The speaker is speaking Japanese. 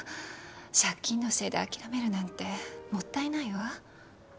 借金のせいで諦めるなんてもったいないわ